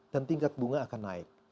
dan tingkat bunga akan naik